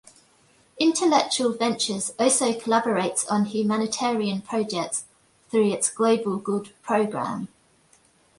Intellectual Ventures also collaborates on humanitarian projects through its Global Good program.